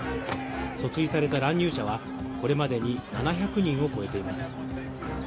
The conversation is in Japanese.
訴追された乱入者はこれまでに７００人を超えています。